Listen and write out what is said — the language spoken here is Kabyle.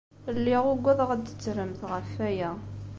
Lliɣ uggadeɣ ad d-tettremt ɣef waya.